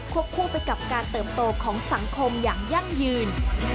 คู่ไปกับการเติบโตของสังคมอย่างยั่งยืน